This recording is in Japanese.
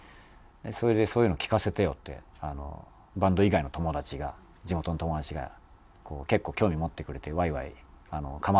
それで「そういうの聴かせてよ」ってバンド以外の友達が地元の友達が結構興味持ってくれてワイワイ構ってくれてたんですよ。